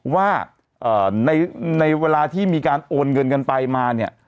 ว่าในเวลาที่มีการโอนเงินกันไปมาเนี่ย